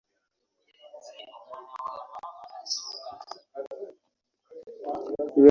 Lwe wandaba tewalaba bwe nali nfaanana?